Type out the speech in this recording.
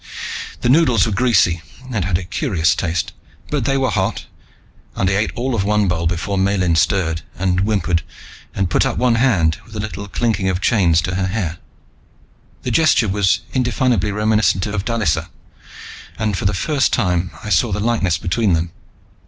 The noodles were greasy and had a curious taste, but they were hot, and I ate all of one bowl before Miellyn stirred and whimpered and put up one hand, with a little clinking of chains, to her hair. The gesture was indefinably reminiscent of Dallisa, and for the first time I saw the likeness between them.